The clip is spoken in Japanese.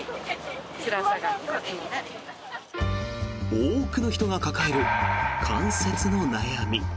多くの人が抱える関節の悩み。